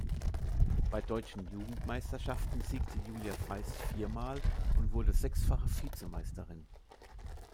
Bei Deutschen Jugendmeisterschaften siegte Julia Feist viermal und wurde sechsfache Vizemeisterin.